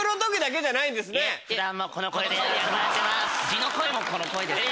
地の声もこの声です。